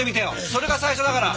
それが最初だから。